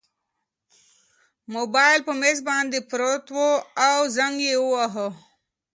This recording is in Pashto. موبایل په مېز باندې پروت و او زنګ یې واهه.